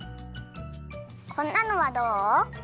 こんなのはどう？